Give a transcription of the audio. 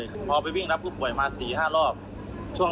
ก็ไปโดนด่านผลัน